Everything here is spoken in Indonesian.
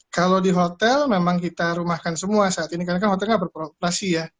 kalau di hotel memang kita rumahkan semua saat ini karena kan hotelnya berprodokrasi ya